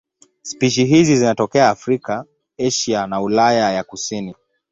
Spishi hizi zinatokea Afrika, Asia na Ulaya ya kusini.